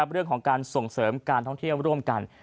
เรื่องของการส่งเสริมการท่องเที่ยวร่วมกัน